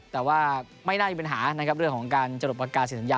แต่ว่าไม่น่ามีปัญหาเรื่องของการจดประกาศเสียสัญญา